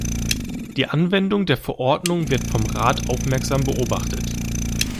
Die Anwendung der Verordnung wird vom Rat aufmerksam beobachtet.